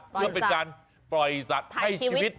เพื่อเป็นการปล่อยสัตว์ให้ชีวิต